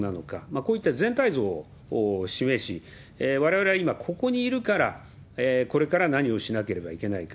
こういった全体像を示し、われわれは今、ここにいるから、これから何をしなければいけないか。